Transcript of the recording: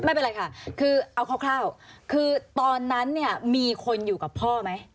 ไม่เป็นไรค่ะคือเอาคร่าวคือตอนนั้นเนี่ยมีคนอยู่กับพ่อไหม